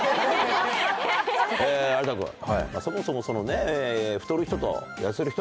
有田君そもそもそのね。